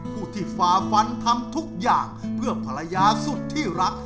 ผู้ที่ฝ่าฟันทำทุกอย่างเพื่อภรรยาสุดที่รัก